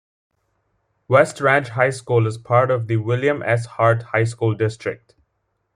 West Ranch High School is part of the William S. Hart High School District.